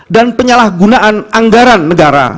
dan penyalahgunaan anggaran negara